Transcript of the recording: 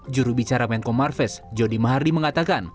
jurubicara menko marves jody mahardi mengatakan